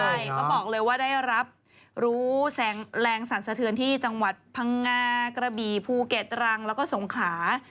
มันก็บอกเลยว่าได้รับรู้แรงสรรษฐือนที่จังหวัดพังงากระบีภูเก็ตรังแล้วก็สงขรา